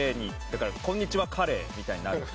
だから「こんにちはカレー」みたいになるか。